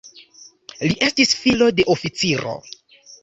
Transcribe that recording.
Li estis filo de oficiro.